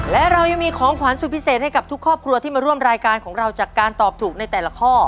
และเรายังมีของขวัญสุดพิเศษให้กับทุกครอบครัวที่มาร่วมรายการของเราจากการตอบถูกในแต่ละข้อ